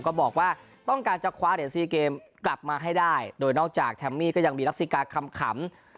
ก็บอกว่าต้องการจะคว้าเหรียญซีเกมกลับมาให้ได้โดยนอกจากแฮมมี่ก็ยังมีรักษิกาคำขำ